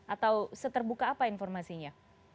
atau seterbuka apa informasinya